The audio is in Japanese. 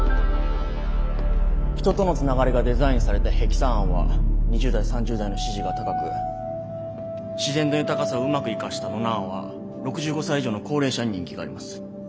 人とのつながりがデザインされたヘキサ案は２０代３０代の支持が高く自然の豊かさをうまく生かしたノナ案は６５才以上の高齢者に人気があります。